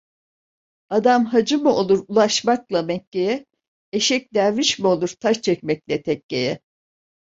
Adam hacı mı olur ulaşmakla Mekke'ye, eşek derviş mi olur taş çekmekle tekkeye?